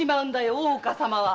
大岡様は。